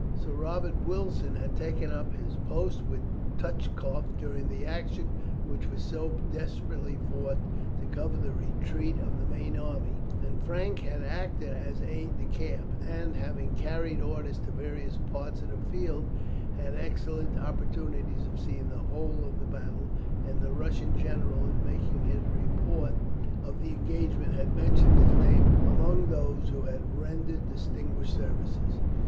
Sir Robert Wilson had taken up his post with Touchkoff during the action which was so desperately fought to cover the retreat of the main army, and Frank had acted as aide de camp, and, having carried orders to various parts of the field, had excellent opportunities of seeing the whole of the battle; and the Russian general in making his report of the engagement had mentioned his name among those who had rendered distinguished services.